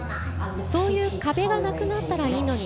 そういう「壁」がなくなったらいいのに。